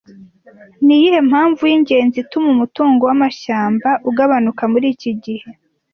Niyihe mpamvu yingenzi ituma umutungo wamashyamba ugabanuka muri iki gihe